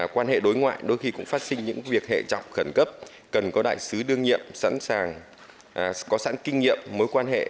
quan hệ đối ngoại đôi khi cũng phát sinh những việc hệ trọng khẩn cấp cần có đại sứ đương nhiệm sẵn sàng có sẵn kinh nghiệm mối quan hệ